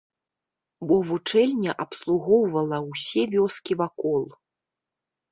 Бо вучэльня абслугоўвала ўсе вёскі вакол.